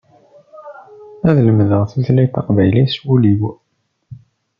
Ad lemdeɣ tutlayt taqbaylit s wul-iw.